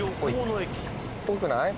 ぽくない？